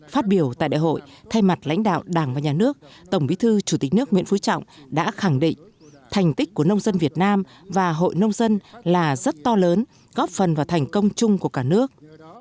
phát biểu tại đại hội thay mặt lãnh đạo đảng và nhà nước tổng bí thư chủ tịch nước nguyễn phú trọng đã khẳng định thành tích của nông dân việt nam và hội nông dân là rất to lớn góp phần vào thành công chung của cả nước